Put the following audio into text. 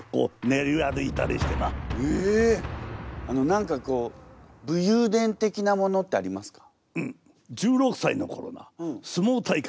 何かこう武勇伝的なものってありますか？